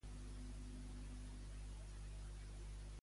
I on surt com Hyperonides?